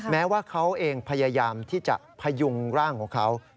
แม้ว่าเขาเองพยายามที่จะพยุงร่างของเขา